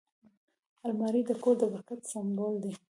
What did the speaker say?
الماري د کور د برکت سمبول دی